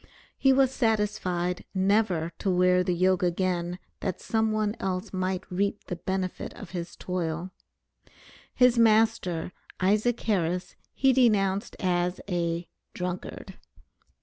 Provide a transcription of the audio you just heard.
He was satisfied never to wear the yoke again that some one else might reap the benefit of his toil. His master, Isaac Harris, he denounced as a "drunkard."